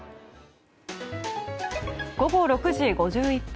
午後６時５１分。